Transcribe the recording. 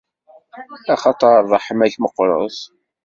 Axaṭer ṛṛeḥma-k meqqret.